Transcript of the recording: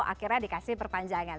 akhirnya dikasih perpanjangan